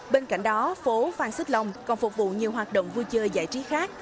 bên cạnh đó phố phan xích long còn phục vụ nhiều hoạt động vui chơi giải trí khác